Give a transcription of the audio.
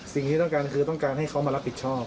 สิ่งที่ต้องการคือต้องการให้เขามารับผิดชอบ